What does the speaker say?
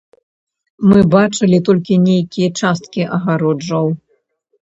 Мы бачылі толькі нейкія часткі агароджаў.